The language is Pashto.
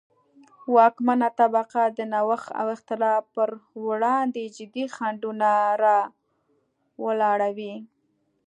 واکمنه طبقه د نوښت او اختراع پروړاندې جدي خنډونه را ولاړوي.